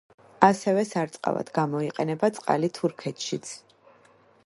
ასევე სარწყავად გამოიყენება წყალი თურქეთშიც.